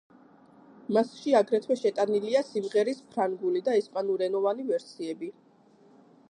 მასში აგრეთვე შეტანილია სიმღერის ფრანგული და ესპანურენოვანი ვერსიები.